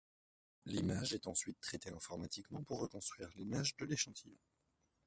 L'image est ensuite traitée informatiquement pour reconstruire l'image de l'échantillon.